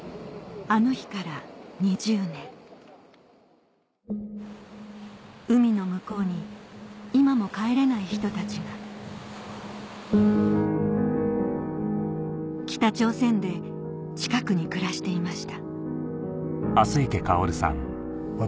あの日から２０年海の向こうに今も帰れない人たちが北朝鮮で近くに暮らしていました